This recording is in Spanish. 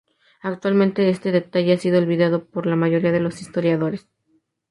Actualmente este detalle ha sido olvidado por la mayoría de los historiadores.